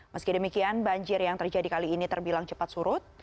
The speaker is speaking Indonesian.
meski demikian banjir yang terjadi kali ini terbilang cepat surut